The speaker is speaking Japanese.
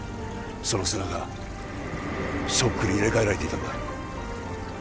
その砂がそっくり入れ替えられていたんだ